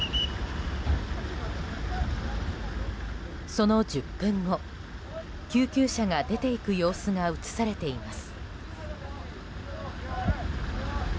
その１０分後、救急車が出ていく様子が映されています。